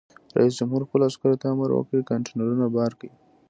رئیس جمهور خپلو عسکرو ته امر وکړ؛ کانټینرونه بار کړئ!